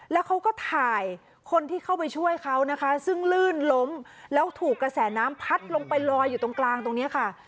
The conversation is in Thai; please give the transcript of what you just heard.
แล้วเขาก็ถ่ายคนที่เข้าไปช่วยเขานะคะซึ่งลื่นล้มแล้วถูกกระแสน้ำพัดลงไปลอยอยู่ตรงกลางตรงนี้ค่ะ